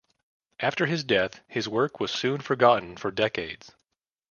After his death his work was soon forgotten for decades.